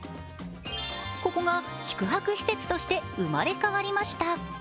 ここが宿泊施設として生まれ変わりました。